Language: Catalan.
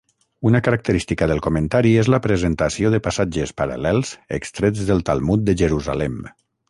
Una característica del comentari és la presentació de passatges paral·lels extrets del Talmud de Jerusalem.